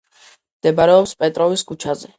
მდებარეობს პეტროვის ქუჩაზე.